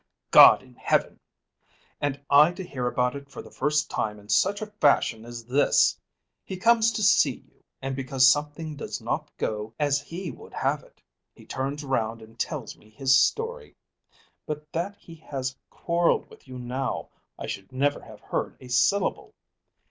"God in Heaven! And I to hear about it for the first time in such a fashion as this! He comes to see you, and because something does not go as he would have it, he turns round and tells me his story. But that he has quarrelled with you now, I should never have heard a syllable."